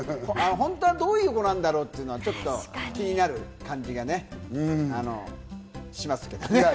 本当はどういう子なんだろうっていうのは気になる感じがね、しますけどね。